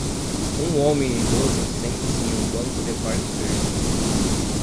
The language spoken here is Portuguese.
Um homem idoso senta-se em um banco de parque verde.